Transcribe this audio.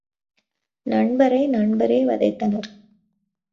நண்பரை நண்பரே வதைத்தனர்.